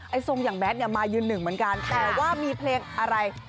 ทรงอย่างแท็กเนี่ยมายืนหนึ่งเหมือนกันแต่ว่ามีเพลงอะไร